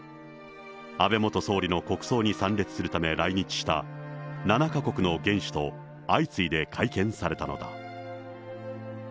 安倍元総理の国葬に参列するため来日した７か国の元首と、相次いで会見されたのだ。